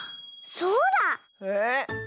そうだ！えっ？